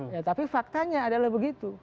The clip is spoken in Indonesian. ya tapi faktanya adalah begitu